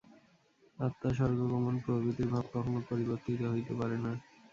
আত্মা, স্বর্গগমন প্রভৃতির ভাব কখনও পরিবর্তিত হইতে পারে না।